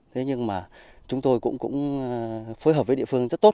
thế nhưng mà chúng tôi cũng phối hợp với địa phương rất tốt